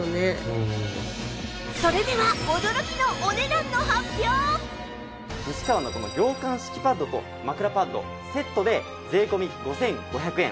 それでは西川のこの涼感敷きパッドと枕パッドセットで税込５５００円。